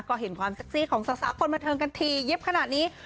ก็เห็นความเซ็กซี่ของสาวคนบันเทิงกันทีเย็บขนาดนี้